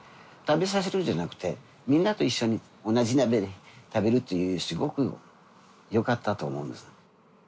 食べさせるんじゃなくてみんなと一緒に同じ鍋で食べるというすごくよかったと思うんです。